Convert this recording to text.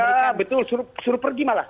iya betul suruh pergi malah